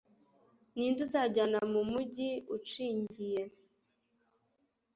Ni nde uzanjyana mu mugi ucinyiye